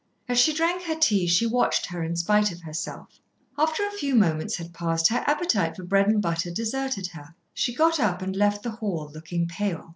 As she drank her tea she watched her in spite of herself. After a few minutes had passed, her appetite for bread and butter deserted her. She got up and left the hall, looking pale.